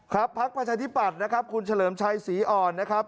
พักประชาธิปัตย์นะครับคุณเฉลิมชัยศรีอ่อนนะครับ